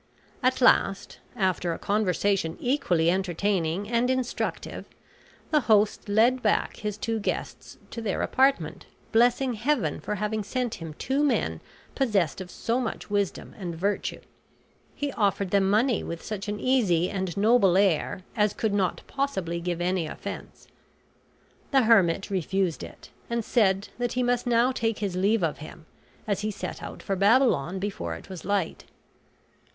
At last, after a conversation equally entertaining and instructive, the host led back his two guests to their apartment, blessing Heaven for having sent him two men possessed of so much wisdom and virtue. He offered them money with such an easy and noble air as could not possibly give any offense. The hermit refused it, and said that he must now take his leave of him, as he set out for Babylon before it was light.